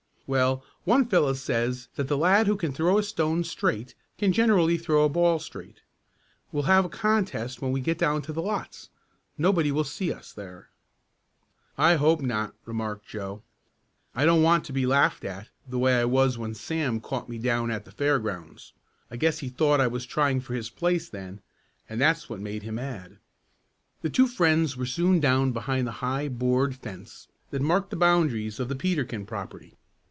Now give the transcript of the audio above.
"Well, one fellow says that the lad who can throw a stone straight can generally throw a ball straight. We'll have a contest when we get down to the lots. Nobody will see us there." "I hope not," remarked Joe. "I don't want to be laughed at the way I was when Sam caught me down at the fairgrounds. I guess he thought I was trying for his place then, and that's what made him mad." The two friends were soon down behind the high board fence that marked the boundaries of the Peterkin property.